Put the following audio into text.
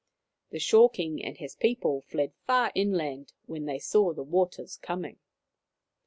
The Shore King and his people fled far inland when they saw the waters coming.